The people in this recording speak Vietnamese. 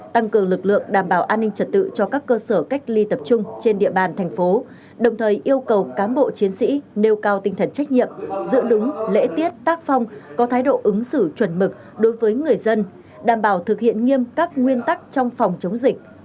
tăng cường lực lượng đảm bảo an ninh trật tự cho các cơ sở cách ly tập trung trên địa bàn thành phố đồng thời yêu cầu cán bộ chiến sĩ nêu cao tinh thần trách nhiệm giữ đúng lễ tiết tác phong có thái độ ứng xử chuẩn mực đối với người dân đảm bảo thực hiện nghiêm các nguyên tắc trong phòng chống dịch